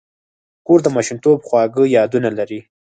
کور د ماشومتوب خواږه یادونه لري.